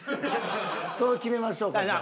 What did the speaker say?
そう決めましょうかじゃあ。